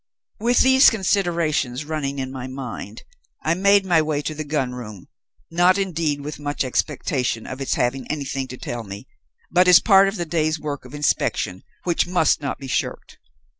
"With these considerations running in my mind, I made my way to the gun room, not indeed with much expectation of its having anything to tell me, but as part of the day's work of inspection, which must not be shirked.